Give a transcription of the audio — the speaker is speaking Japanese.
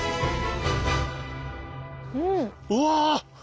うわ！